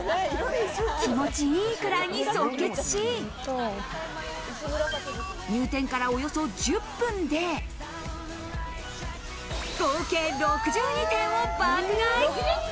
気持ちいいくらいに即決し、入店から、およそ１０分で合計６２点を爆買い。